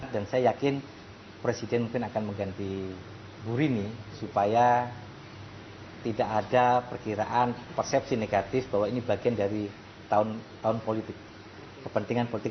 dan saya yakin presiden mungkin akan mengganti burini supaya tidak ada perkiraan persepsi negatif bahwa ini bagian dari tahun politik kepentingan politik dua ribu sembilan belas